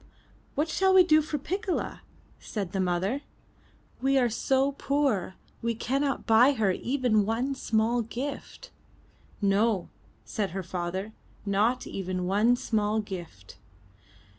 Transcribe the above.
'What shall we do for Piccola?'' said the mother, we are so poor, we cannot buy her even one small gift." 'No," said her father, *'not even one small gift."